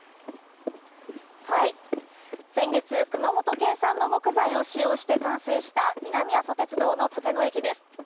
先月、熊本県産の木材を使用して完成した、南阿蘇鉄道の立野駅です。